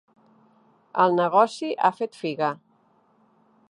El negoci ha fet figa.